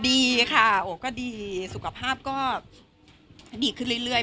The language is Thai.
ดีค่ะโอ้ก็ดีสุขภาพก็ดีขึ้นเรื่อย